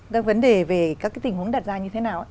các vấn đề về các tình huống đặt ra như thế nào